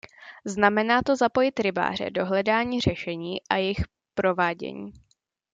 Znamená to zapojit rybáře do hledání řešení a jejich provádění.